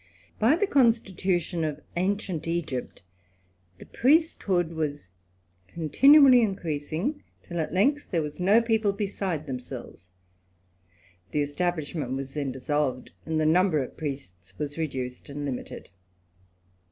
By the constitution of ancient Egypt, the priest ood was continually increasing, till at length there was no eople beside themselves : the establishment was then issolved, and the number of priests was reduced and mited.